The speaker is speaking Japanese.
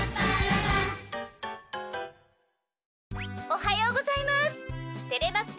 おはようございますてれます